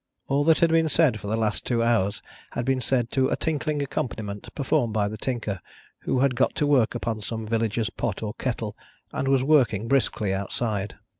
All that had been said for the last two hours, had been said to a tinkling accompaniment performed by the Tinker, who had got to work upon some villager's pot or kettle, and was working briskly outside.